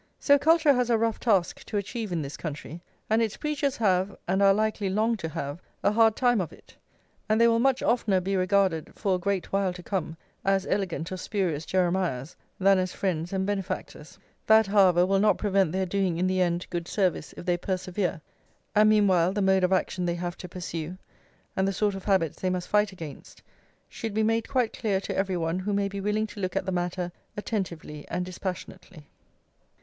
So culture has a rough task to achieve in this country, and its preachers have, and are likely long to have, a hard time of it, and they will much oftener be regarded, for a great while to come, as elegant or spurious Jeremiahs, than as friends and benefactors. That, however, will not prevent their doing in the end good service if they persevere; and meanwhile, the mode of action they have to pursue, and the sort of habits they must fight against, should be made quite clear to every one who may be willing to look at the matter attentively and dispassionately.